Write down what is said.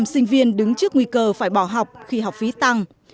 hai mươi tám sinh viên đứng trước nguy cơ phải bỏ học khi học phí tăng